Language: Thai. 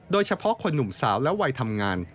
โดยเฉพาะคนหนุ่มสาวและวัยทำงาน